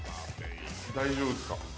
大丈夫ですか？